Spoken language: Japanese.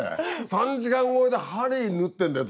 ３時間超えで針縫ってんだよ